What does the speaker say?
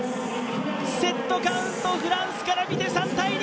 セットカウント、フランスから見て３−２。